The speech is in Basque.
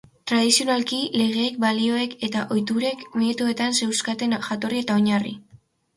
Tradizionalki, legeek, balioek eta ohiturek mitoetan zeuzkaten jatorri eta oinarri.